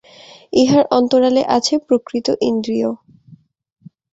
ইহার অন্তরালে আছে প্রকৃত ইন্দ্রিয়।